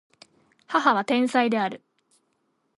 母は天才である